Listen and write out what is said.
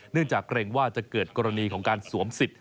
จากเกรงว่าจะเกิดกรณีของการสวมสิทธิ